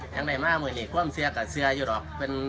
ยังได้มามือหนิ๊คว่าเชื่อกับเชืออยู่หรอก